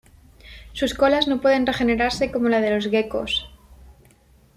Sus colas no pueden regenerarse como las de los geckos.